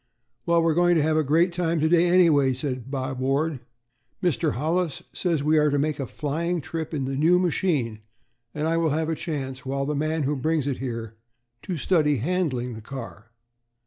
"Well, we're going to have a great time to day, anyway," said Bob Ward; "Mr. Hollis says we are to make a flying trip in the new machine, and I will have a chance, while the man who brings it is here, to study handling the car."